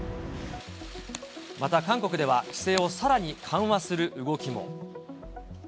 また、韓国では規制をさらに緩和する動きも。